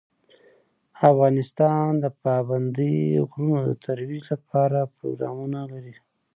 افغانستان د پابندي غرونو د ترویج لپاره پروګرامونه لري.